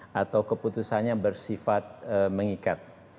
kalau keputusannya bersifat mengikat